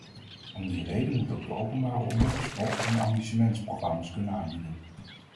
Om die reden moet ook de openbare omroep sport- en amusementsprogramma's kunnen aanbieden.